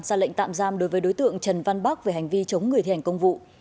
ra lệnh tạm giam đối với đối tượng trần văn bắc về hành vi chống người thi hành công vụ